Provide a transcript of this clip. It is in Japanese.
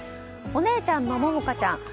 お姉ちゃんの百花ちゃん